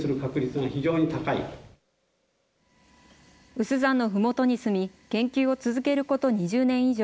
有珠山のふもとに住み、研究を続けること２０年以上。